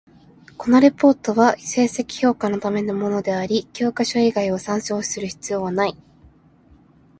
このレポートは成績評価のためのものであり、教科書以外を参照する必要なない。